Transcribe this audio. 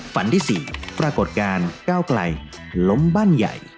ฝันที่๔ปรากฏการณ์ก้าวไกลล้มบ้านใหญ่